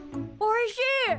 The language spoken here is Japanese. おいしい。